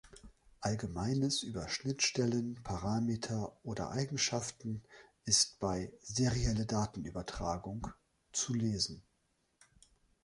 Allgemeines über Schnittstellen, Parameter oder Eigenschaften ist bei Serielle Datenübertragung zu lesen.